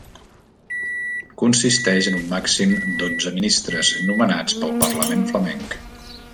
Consisteix en un màxim d'onze ministres, nomenats pel Parlament Flamenc.